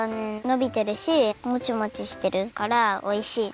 のびてるしモチモチしてるからおいしい！